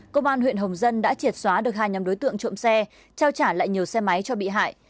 công an huyện hồng dân đã triệt xóa được hai nhóm đối tượng trộm xe trao trả lại nhiều xe máy cho bị hại